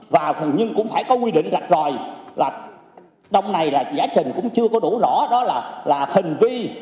và nhưng cũng phải có quy định đặt rồi là đông này là giá trình cũng chưa có đủ rõ đó là hình vi